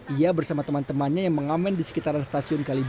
ia bersama teman temannya yang mengamen di sekitaran stasiun kalibawa